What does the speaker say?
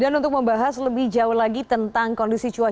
dan untuk membahas lebih jauh lagi tentang kondisi topografi